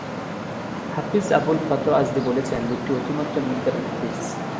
হাফিজ Abul Fath Azdi বলেছেন, লোকটি অতি মাত্রায় মুনকারুল হাদীস।